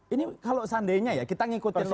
ini kalau sandainya ya kita mengikuti logiknya